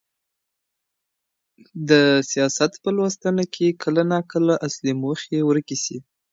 د سياست په لوستنه کي کله ناکله اصلي موخه ورکه سي.